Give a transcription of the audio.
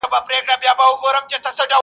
پاچهي دي مبارک سه چوروندکه؛